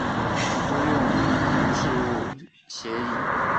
多用途事务协议。